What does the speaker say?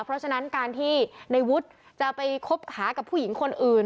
เพราะฉะนั้นการที่ในวุฒิจะไปคบหากับผู้หญิงคนอื่น